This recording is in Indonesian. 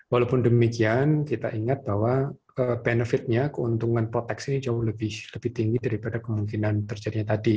walaupun demikian kita ingat bahwa benefitnya keuntungan proteksi ini jauh lebih tinggi daripada kemungkinan terjadinya tadi